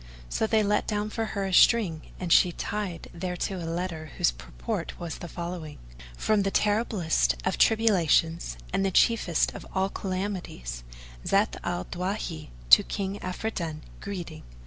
So they let down for her a string and she tied thereto a letter whose purport was the following: "From the terriblest of tribulations[FN#445] and the chiefest of all calamities, Zat al Dawahi, to King Afridun greeting.